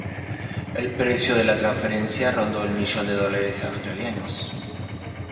El precio de la transferencia rondó el millón de dólares australianos.